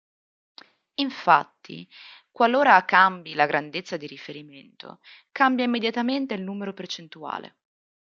Infatti qualora cambi la grandezza di riferimento, cambia immediatamente il numero percentuale.